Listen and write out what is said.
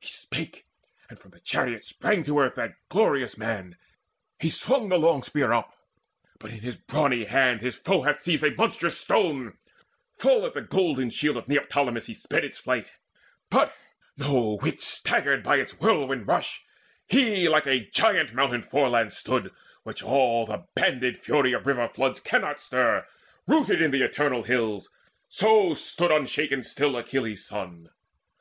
He spake; and from the chariot sprang to earth That glorious man: he swung the long spear up. But in his brawny hand his foe hath seized A monstrous stone: full at the golden shield Of Neoptolemus he sped its flight; But, no whir staggered by its whirlwind rush, He like a giant mountain foreland stood Which all the banded fury of river floods Can stir not, rooted in the eternal hills; So stood unshaken still Achilles' son.